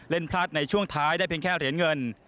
พลาดในช่วงท้ายได้เพียงแค่เหรียญเงิน